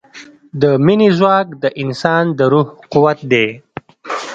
د مینې ځواک د انسان د روح قوت دی.